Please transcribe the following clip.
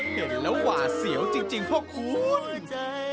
เห็นแล้วหวาดเสียวจริงพ่อคุณ